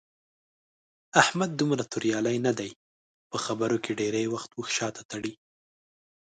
احمد دومره توریالی نه دی. په خبرو کې ډېری وخت اوښ شاته تړي.